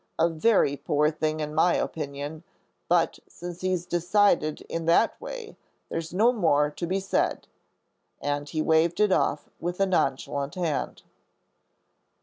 A very poor thing in my opinion; but since he's decided it that way, there's no more to be said," and he waved it off with a nonchalant hand.